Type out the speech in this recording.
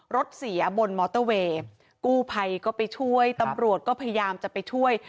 รถเสียบนมอเตอร์เวย์กู้ภัยก็ไปช่วยตำรวจก็พยายามจะไปช่วย